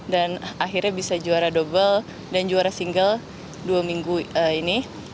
dan akhirnya bisa juara double dan juara single dua minggu ini